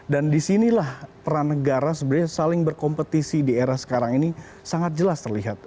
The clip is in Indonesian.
dan disinilah peran negara sebenarnya saling berkompetisi di era sekarang ini sangat jelas terlihat